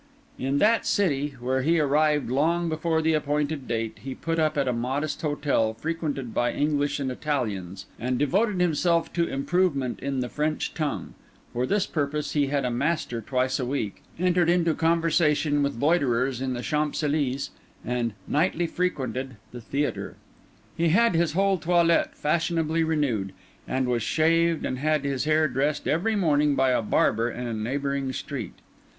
In that city, where he arrived long before the appointed date, he put up at a modest hotel frequented by English and Italians, and devoted himself to improvement in the French tongue; for this purpose he had a master twice a week, entered into conversation with loiterers in the Champs Elysées, and nightly frequented the theatre. He had his whole toilette fashionably renewed; and was shaved and had his hair dressed every morning by a barber in a neighbouring street.